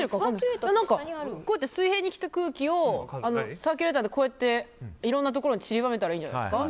水平に来た空気をサーキュレーターでいろんなところに散りばめたらいいんじゃないですか？